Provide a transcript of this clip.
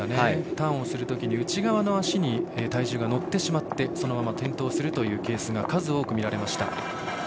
ターンをするときに内側の足に体重が乗ってしまってそのまま転倒するケースが数多く見られました。